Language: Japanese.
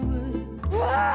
うわ！